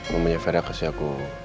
mamanya vera kasih aku